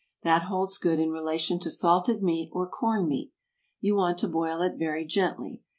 That holds good in relation to salted meat or corned meat. You want to boil it very gently.